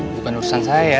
bukan urusan saya